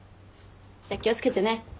じゃあ気を付けてね。